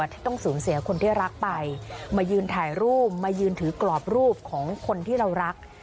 ที่ต้องสูญเสียคนที่รักไปมายืนถ่ายรูปมายืนถือกรอบรูปของคนที่เรารัก